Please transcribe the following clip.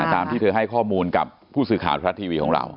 ตามที่เธอให้ข้อมูลกับผู้สื่อข่าวทรัฐทีวีของเรา